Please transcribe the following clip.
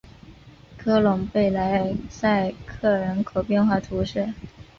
科隆贝莱塞克人口变化图示